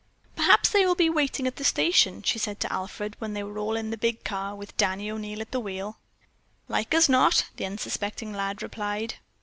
"Perhaps they will be waiting at the station," she said to Alfred when they were all in the big car, with Danny O'Neil at the wheel. "Like as not," the unsuspecting lad replied.